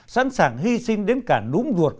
sẵn sàng hy sinh đến cả núng ruột